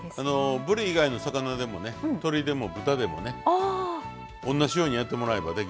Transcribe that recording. ぶり以外の魚でもね鶏でも豚でもね同じようにやってもらえばできますよ。